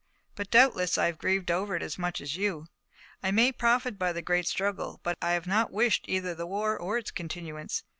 But doubtless I have grieved over it as much as you. I may profit by the great struggle, but I have not wished either the war or its continuance.